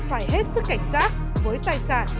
phải hết sức cảnh giác với tài sản